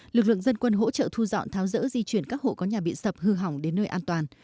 lực lượng dân quân hỗ trợ thu dọn tháo dỡ di chuyển các hộ có nhà bị sập hư hỏng đến nơi an toàn